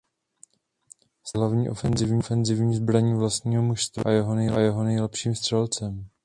Stal se tak hlavní ofenzivní zbraní vlastního mužstva a jeho nejlepším střelcem.